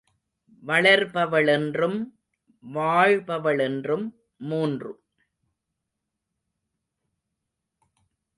வளர்பவளென்றும், வாழ்பவளென்றும், மூன்று